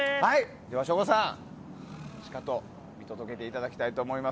では省吾さんしかと見届けていただきたいと思います。